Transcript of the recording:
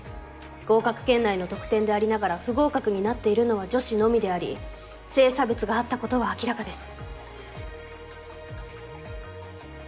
合格圏内の得点でありながら不合格になっているのは女子のみであり性差別があったことは明らかです。